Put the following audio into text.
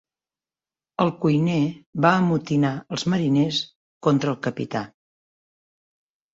El cuiner va amotinar els mariners contra el capità.